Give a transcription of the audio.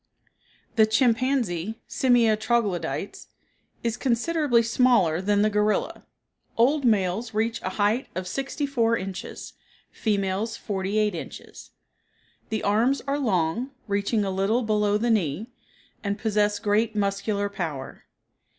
The chimpanzee (Simia troglodytes) is considerably smaller than the gorilla; old males reach a height of sixty four inches; females, forty eight inches. The arms are long, reaching a little below the knee, and possess great muscular power.